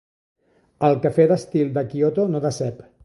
El cafè d'estil de Kyoto no decep.